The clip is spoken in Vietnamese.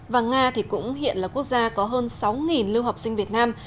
và nga cũng hiện là quốc gia có hơn sáu lưu học sinh việt nam